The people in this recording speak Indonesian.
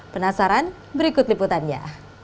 penasaran berikut liputannya